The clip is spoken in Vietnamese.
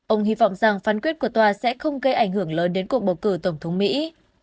ông hy vọng rằng phán quyết của tòa sẽ không gây ảnh hưởng lớn đến cuộc bầu cử tổng thống mỹ